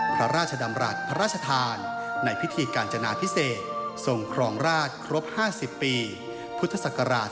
พระราชดำรัฐพระราชทานในพิธีการจนาพิเศษทรงครองราชครบ๕๐ปีพุทธศักราช๒๕